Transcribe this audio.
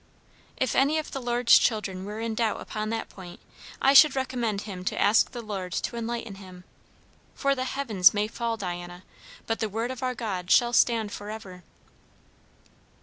"If any of the Lord's children were in doubt upon that point, I should recommend him to ask the Lord to enlighten him. For the heavens may fall, Diana, but 'the word of our God shall stand for ever.'"